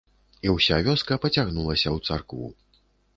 І ўся вёска пацягнулася ў царкву.